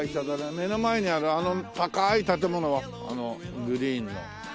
目の前にある高い建物はあのグリーンの。